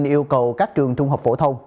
yêu cầu các trường trung học phổ thông